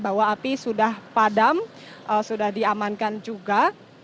bahwa api sudah padam sudah diamankan juga